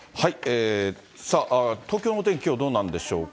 さあ、東京のお天気、きょうどうなんでしょうか。